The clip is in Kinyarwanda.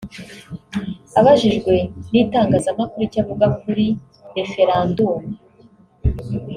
Abajijwe n’itangazamakuru icyo avuga kuri referandumu